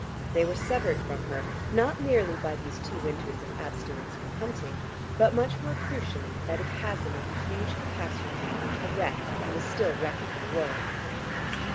They were severed from her not merely by these two winters of abstinence from hunting, but much more crucially by the chasm of the huge catastrophe which had wrecked and was still wrecking the world.